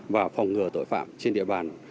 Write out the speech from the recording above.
và phòng ngừa tội phạm trên địa bàn